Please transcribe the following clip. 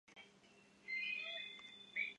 湖南省龙山县水田坝下比寨人。